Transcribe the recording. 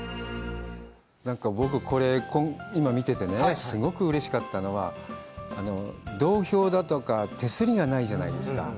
なんか僕、これ、今、見ててね、すごくうれしかったのは、道標だとか、手すりがないじゃないですか。